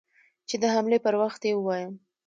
چې د حملې پر وخت يې ووايم.